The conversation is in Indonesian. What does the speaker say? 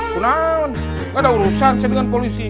tidak ada urusan saya dengan polisi